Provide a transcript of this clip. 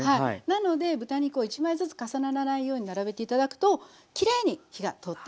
なので豚肉を１枚ずつ重ならないように並べて頂くときれいに火が通っていきます。